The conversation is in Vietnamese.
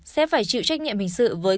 sẽ phải chịu trách nhiệm hình sự với